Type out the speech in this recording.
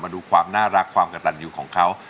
ดูความน่ารักความกระตันอยู่ของเขา